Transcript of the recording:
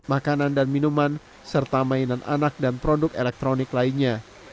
makanan dan minuman serta mainan anak dan produk elektronik lainnya